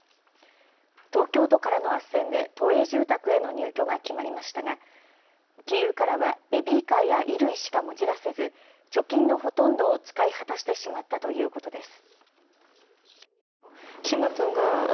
東京都からのあっせんで都営住宅への入居が決まりましたがキーウからはベビーカーや衣類しか持ち出せず貯金のほとんどを使い果たしてしまったということです。